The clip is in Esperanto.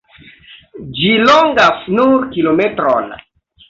Ĝi longas nur kilometron.